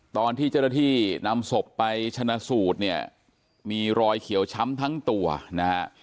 ตอนที่เจ้าหน้าที่นำศพไปชนะสูตรเนี่ยมีรอยเขียวช้ำทั้งตัวนะฮะ